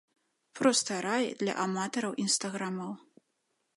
Проста рай для аматараў інстаграмаў.